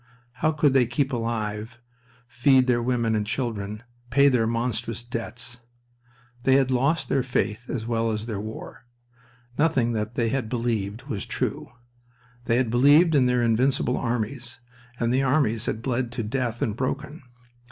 How could they keep alive, feed their women and children, pay their monstrous debts? They had lost their faith as well as their war. Nothing that they had believed was true. They had believed in their invincible armies and the armies had bled to death and broken.